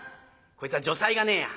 こいつは如才がねえや。